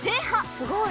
すごい！